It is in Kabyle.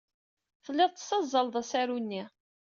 Telliḍ tessazzaleḍ asaru-nni.